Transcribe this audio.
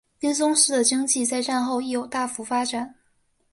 滨松市的经济在战后亦有大幅发展。